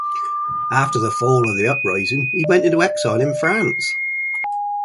After the fall of the uprising he went into exile in France.